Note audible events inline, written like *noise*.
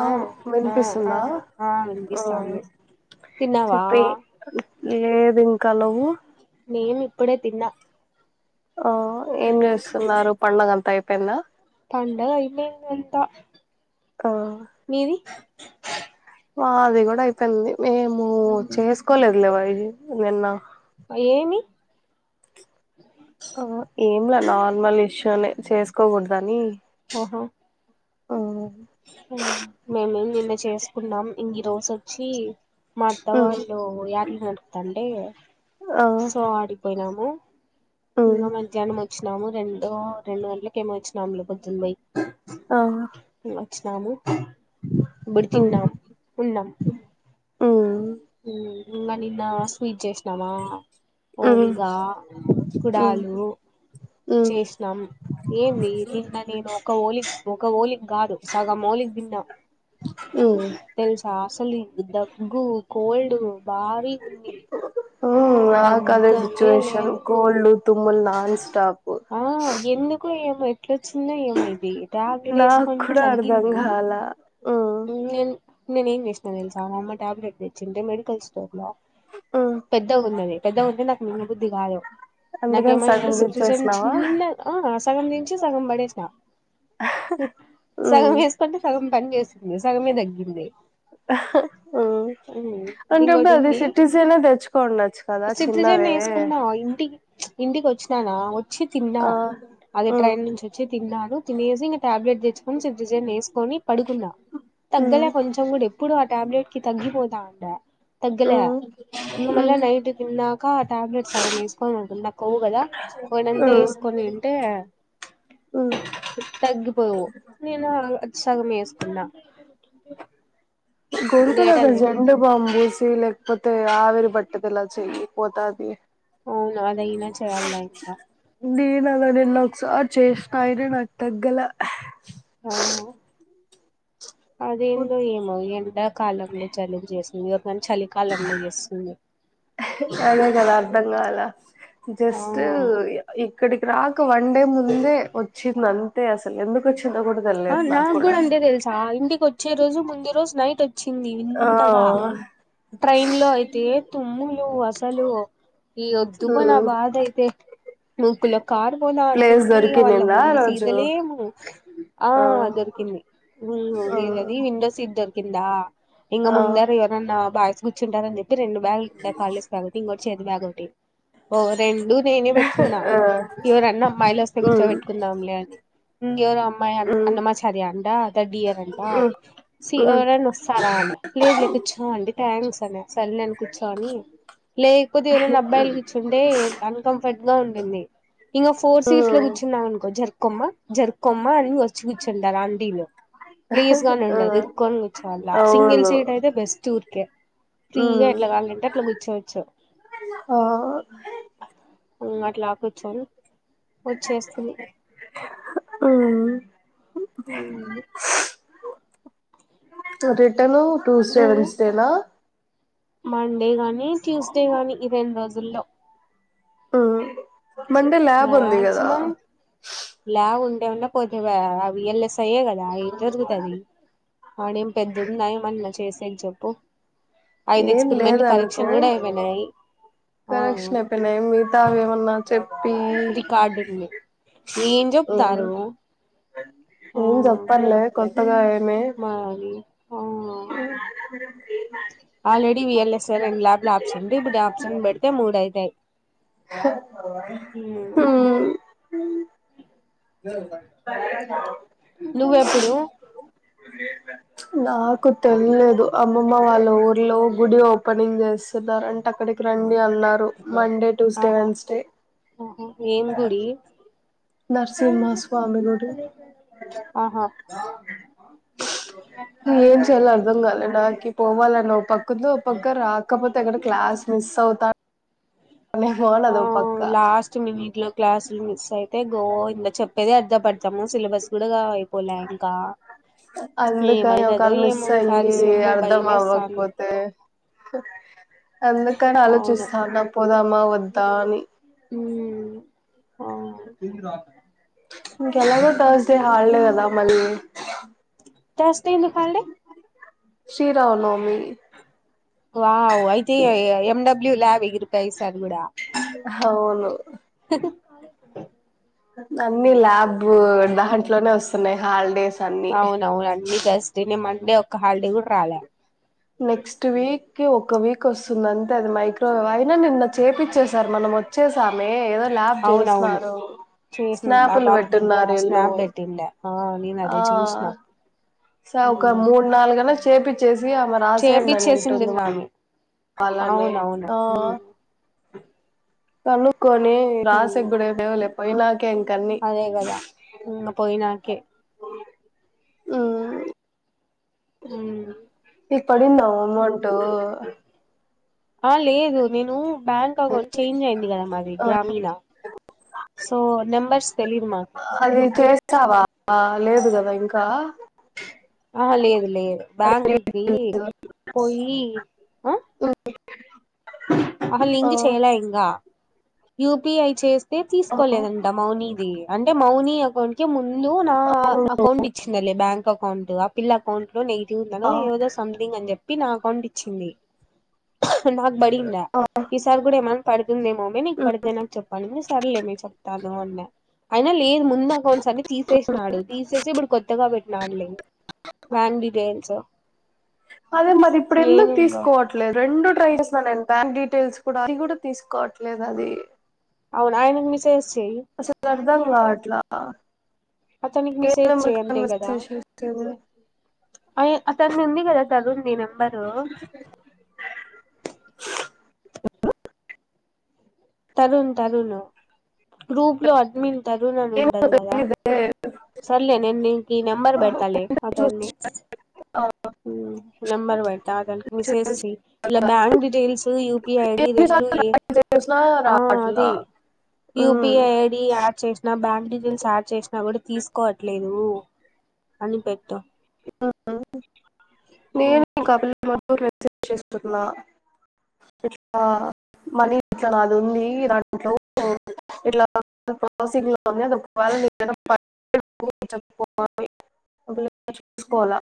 ఆ ఆ ఆ వినిపిస్తుందా ఆ ఆ వినిపిస్తాంది తిన్నావా చెప్పి లేదు ఇంకా నువ్వు మేము ఇప్పుడే తిన్న ఆ ఏం చేస్తున్నారు పండుగ అంతా అయిపో కన్నా పండుగ అయిపోయింది అంతా ఆ మీది మాది కూడా అయిపోయింది మేము చేసుకోలేదు లే వై ఏంది నిన్న ఏమి ఆ ఏం లే నార్మల్ ఇష్యూ ని చేసుకోకూడదు అని ఓహో మేమేమీ నిన్న చేసుకున్నాం ఈరోజు వచ్చి మా అత్త ఉమ్ వాళ్లు యాట్లు నరుకు తండే ఆ సో ఆటికిపోయినాం ఉమ్ ఇంక మధ్యాహ్నం వచ్చినప్పుడు రెండు రెండు గంటలకి ఏమో వచ్చినాం లే పొద్దున పోయి ఆహా స్నాము ఇప్పుడు తన్నాం ఉన్నాం ఉమ్ హ ఇంగా నిన్న స్వీట్ చేసిన నామా కుడాలు ఆ చేసినాం ఏంది నిన్న నేను ఒక పోలీస్ ఒక పోలి కాదు సగం మౌలిక్ భిన్న ఉమ్ తెలుసా *unintelligible* దగ్గు కోోల్డు భారీగుంది ఉమ్ నాకదే సిచువేషన్ కోల్డ్ తుమ్ముల్ నాన్ స్టాపు ఇట్లా చిన్నవి ఏం అయింది నాకు కూడా అర్ధం కాల ఉమ్ నేనేం చేసిన తెలుసా మా అమ్మ ట్యాబ్లెట్ తెచ్చి ఉంటే మెడికల్ స్టోర్ లో ఉమ్ పెద్దగా ఉన్నది పెద్దగా ఉంటే నాకు మింగ బుద్ధి కాదు అందుకని నాకేమైనది సగం అంటే సిట్రిజన్ గుర్చేసినావా చిన్నగా ఆహ్ చిన్న సగం సిన్చి సగం పడేసినా సగం ఉమ్ వేసుకుంటే సగం పని చేేసింది సగమే తగ్గింది. ఆహ్ అంటే ఇప్పుడు ఇంకోటి అది ఉంది సిట్రిజను తెచ్చుకొని ఉండచ్చు కదా సిట్రిజన్ చిన్నవే వేసుకున్నా ఇంటికి ఇంటికి వచ్చినానా వచ్చి తిన్నా ఆ అది ఉమ్ ట్రైన్ నుంచి వచ్చి తిన్నాడు తినేసి ఇంక టాబ్లెట్ తెచ్చుకొని సిట్రిజన్ ఏసుకొని పడుకున్నా ఉమ్ తగ్గలే కొంచెం కూడా ఎప్పుడు ఆ ట్యాబ్లెట్ కి తగ్గిపోతా ఉండె తగ్గలే ఉమ్ ఇంగ మళ్ళ ఉమ్ నైట్ తిన్నక టాబ్లెట్స్ సగం ఏసుకొ నాక్ కొవ్వు కదా ఉమ్ పోయినంతేసుకోనింటే ఉమ్ తగ్గిపోవు నేను *inaudible* సగం ఏసుకున్నా గొంతులో గ లేదు జండు బామ్ పూస్ చేయ్ లేకపోతే ఆవిరి బట్టేదలా చెయ్యి పోతాది అవునా ఏదైనా చెయ్యల్నా ఇంక నేనలా నిన్న ఒకసారి చేసిన అయినా నాకు తగ్గలె ఆ అదేందో ఏమో ఎండాకాలంలో జలుబు చేసు *inaudible* అదే కదా అర్థం కాలా ఆ జస్ట్ *unintelligible* ఇక్కడికి రాక వన్ డే ముందే వచ్చింది అంతే అసలు ఎందుకు వచ్చి ఆహ్ నాకు కూడా అంతే తెలుసా ఇంటికి వచ్చే రోజు ముందే రోజు నైటొ చ్చింది వింతగా ఆ ట్రైన్ లో అయితే తుమ్ములు అసలు ఈ వద్దుకునా బాధ అయితే ముక్కులో కారుపోత ప్లేస్ ఉంటుంది వాళ్ళ దొరికినిందా ఆ ముందు రోజు సీదలేము ఆ దొరికింది ఉమ్ ఆ ఏందది విండో సీట్ దొరికిందా ఇంగా ఆ ముందర ఎవరన్నా బాయ్స్ గుర్చుంటారని చెప్ ది రెండు *inaudible* ఓ రెండు నేనే పెట్టుకున్నా ఆ ఎవరన్నా అమ్మాయిలు వస్తే ఉమ్ కూర్చోబెట్కుందాంలే అని ఉమ్మ్ ఎవరో అమ్ ఉమ్ అన్నమాచార్య అంట తర్డ్ ఇయర్ అంట సీ ఆ ఉమ్ ఎవరైనా వస్తారా అనె లేదులే కూర్చో అంటి థ్యాంక్స్ ఆనె సరే నేను కూర్చో అని లేకపోతే ఎవరైనా అబ్బాయిలు కూర్చుంటే అన్కంఫర్ట్ గా ఉండింది ఇంక ఫోర్ సీట్స్ లో ఉమ్ కూర్చున్నాం అనుకో జర్ కొమ్మా జరుకొమ్మా అని యొ *inaudible* టారు అంటీలు ప్లీజ్ గాని ఆ ఉండదు ఇరుక్కొని కూర్చోవాల సింగిల్ అవును సీట్ అయితే బెస్ట్ ఊరికే ఫ్రీగా ఉమ్ ఎట్లా కావాలంటే అట్లా కూర్చోవచ్చు ఆ ఇంగట్లా కూర్చోని వచ్చేస్తుంది ఉమ్ తరెడ్ టను టూస్డే నువ్వు వెన్స్డేలా మండే గానీ మెయిన్ ట్యూస్డే గాని ఇ రెండ్ రోజుల్లో ఆ మండే ల్యాబుంది గదా ఏమన్న పోతెవా ఆ వి ఎల్ ఎస్ తయ్యె గదా ఏం జరుగుతది ఆడేం పెద్దుందా ఏమన్న చేస్ ఏం చెప్పు ఐదు ఏం ఎక్స్పెరిమెంట్లు లేదనుకో కరెక్షన్ కూడా అయిపోయినాయి ఆ కరెక్షన్ అయిపోయినాయి మితావి ఏవన్నా చెప్పి రికార్డుంది ఏం జెప్తారు ఏం జప్పర్లే కొ తగాయే మారీ already V L S I రెండ్ ల్యాబ్లు ఆప్సెంట్ ఇప్పుడు ఆప్సెంట్ బెడితే మూడయితాయి హు నువ్వెప్పుడు నాకు తెల్లేదు అమ్మమ్మ వాళ్ళ ఊర్లో గుడి ఓపెనింగ్ చేస్తున్నరంట అక్కడికి రండ్ ఇగన్నారు మండే ట్యూస్డే ఆహా వెన్స్డే ఆహా ఏం గుడి నరసింహ స్వామి గుడి ఆహా ఏం చేయాలో అర్థం కాలే నాకి పోవాలనొప్ కుందు ఒపక్క రాకపోతే గుడ అక్కడ క్లాస్ మిస్ అవుతా నీ ఫోన్ ఆ అదోపక్క లాస్ట్ మినిట్ లో క్లాసులు మిస్ అయితే గోఇంద చెప్పేది అర్ధ పడ్దము సిలబస్ గుడ గావై పోలా ఇంకా అందుకని ఏమైతదో ఒకవేళ మిస్ ఏమో అయ్యి ఈసారి సెమ్ము భయమేస్తాంది! హ్ అందుకని అవును ఆలోచిస్తానప్ పోదామా వద్దా అని మ్మ్ ఆ ఇంకెలాగో థర్స్డే హాల్డే గదా మళ్ళీ థర్స్డే ఎందుకు హాలిడే శ్రీరావనవమి వావ్ అయితే ఎ ఎమ్ డబ్ల్యూ ల్యాబ్ ఎగిరిపయ్ ఈసార్ గుడ అవును అన్నిీ లలా్యాబ్ దాంట్లోనే వస్తున్నాయి హాలిడేస్ అన్ని అవున అవును అమ్ీ త అస్ేనే మ అే ఒ హాలిడే కూడా రాలే నెక్స్ట్ వీక్ ఒక వీక్ వస్తుందింతే అది మైక్రోవేవ్ అయినా నిన్న చేపచ్చసారు మనం వచ్చేసామె ఏద ్యాబ్ అవునవును చేస్తున్నారు చేసింది ఆ స్నాపులు పాప దివ్య పెట్టిన్నారు ఇల్లుు స్నాప్ పెట్టిండే ఆ నేను ఆ అదే చూసిన స ఒక ఉమ్ మూడు నాలుగన్నా చేపి చేసి అమ రాసేడుడి అని ఉంటుంది చేపిచ్చేసింటుంది ఆమె కావాలని అవునవును ఆ చలు కొని రాసగ్గుడవో పయిలా అదే కదా ఇ పోయినాకే ఆ అ ఇక్కడ న అమౌంట అ లే లేదు నేను బ్యాంక్ అకౌంట్ చేంజ్ అయింది కదా మాది గ్రామీణ సో నెంబర్స్ తెలీదు మాకు అది చేస్తావా లేదు కదా ఇంకా ఆ లేదు లేదు ఆ బ్యాంకుకి పోయి ఆ అహలింక్చేయలే ఇకా యూపిఐ చేస్త సేపు ఆ తీసుకోలేదంట మౌనిది అంటే మౌని అకాౌంట్ మూల్య నుందు నా అకౌంట్ ఇచ్చి బ్యాంక్ అకౌంట్ ఆ పిల్ అకౌంట్ నెగిటివ్ ఆ ఉంద ఏదో సంథింగ్ అని చెప్పి నా అకౌంట్ ఇచ్చింది బడింద ఆ ఈసార్ గుడ ఏమ ందేమోమ్మ నీకు పడితే నాకు చెప్పండి సర్లేమ చెప్ప తను అన్న అయినా లేదు ముందు అకౌంట్స్ అన్ని తీసేసినాడు, తీస్ సేసి ఇప్పుడు కొత్తగా పెట్టినాడులే బ్యాన్ డీటైయిల్స్. అదే మది ఇప్పుడు ఎందుకు తీసుకోవట్లేదు, రెండు ట్రై చేస్తున్న నేను బ్యాంక్ డీటెయిల్స్ కూడా అది కూడా తీసుకోవట్లేదు అది అవున ఆయన మసేజస్ చెయ్ అర్థంకావాట్ల అతనికి మిసేజ్ చేయండే కదా. జ అయ్యో అత్తడ ఉంది కదా. చదువుంది నెంబరు. తరున్ తరును గ్రూప్ లో అడ్మిన్ తరుణ్ అని ఏమో ఉంటది కదా, తెలియదే సర్లే నేను నీకు ఈ నెంబర్ పెడతాలె ఉంటే అతన్ని. చూసి నెంబర్ వెడ్టా అనికి మిసే చేసి చెయ్, ఇలా బ్యాంగ్ డీ టెల్స్ ఉన్ యూ పి ఐ ఐడి రెండు ఎన్నిసార్లు ఏ, ట్రై చేసినా ఆ రావట్లా అది U P um, I ID add చేసిన, బ్యాంక్ డీటెయిల్స్ యాడ్ చేసిన. నా కూడా తీసుకోవట్లేదు అని పెట్టాం. అఆ నేను కాబల ర చేస్తున్నా ఇట్లా మనీ ఇట్లా నాది ఉంది, దాంట్లో ఇట్లా ప్రాసింగ్ లో ఉంది అదొకవేల. *unintelligible* చూసుకోలా